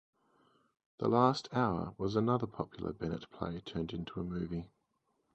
"The Last Hour" was another popular Bennett play turned into a movie.